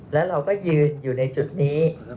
แล้วเราก็ยืนอยู่ในจุดนี้